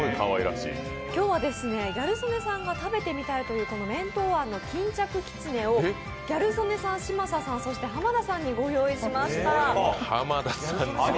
今日はギャル曽根さんが食べてみたいというこの麺闘庵のうどんをギャル曽根さん、嶋佐さん、そして浜田さんにご用意しました。